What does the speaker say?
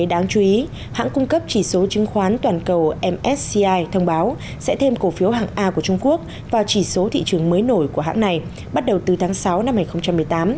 đáng chú ý hãng cung cấp chỉ số chứng khoán toàn cầu msci thông báo sẽ thêm cổ phiếu hàng a của trung quốc vào chỉ số thị trường mới nổi của hãng này bắt đầu từ tháng sáu năm hai nghìn một mươi tám